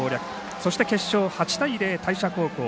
そして、決勝８対０、大社高校。